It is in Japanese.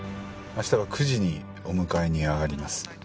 明日は９時にお迎えに上がります。